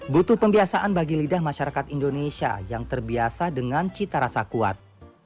butuh pembiasaan bagi lidah masyarakat indonesia yang terbiasa dengan cita rasa kuat